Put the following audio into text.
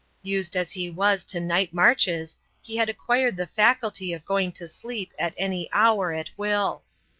Used as he was to night marches, he had acquired the faculty of going to sleep at any hour at will.